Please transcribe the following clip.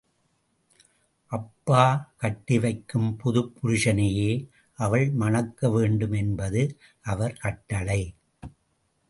அப்பா கட்டிவைக்கும் புதுப் புருஷனையே அவள் மணக்கவேண்டும் என்பது அவர் கட்டளை.